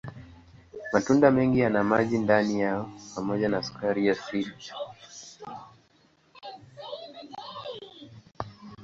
Matunda mengi yana maji ndani yao pamoja na sukari asilia.